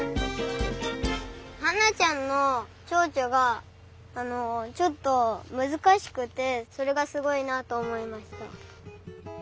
ハンナちゃんのチョウチョがちょっとむずかしくてそれがすごいなとおもいました。